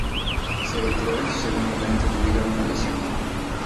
Se retiró de su segundo evento debido a una lesión.